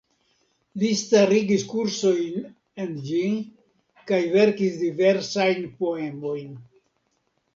Li starigis kursojn en ĝi, kaj verkis diversajn poemojn.